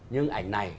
nhưng ảnh này